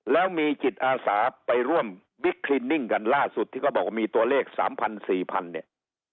แล้วมีจิตอาสาไปร่วมบิ๊กคลินิ่งกันล่าสุดที่เขาบอกว่ามีตัวเลข๓๐๐๔๐๐เนี่ย